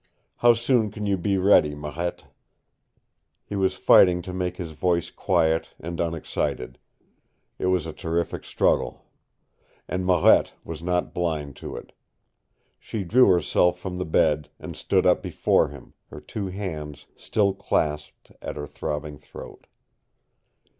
"How soon can you be ready, Marette?" He was fighting to make his voice quiet and unexcited. It was a terrific struggle. And Marette was not blind to it. She drew herself from the bed and stood up before him, her two hands still clasped at her throbbing throat.